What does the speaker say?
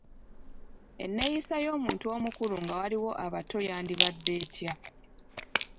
Enneeyisa y’omuntu omukulu nga waliwo abato yandibadde etya?